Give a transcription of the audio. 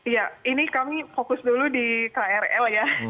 ya ini kami fokus dulu di krl ya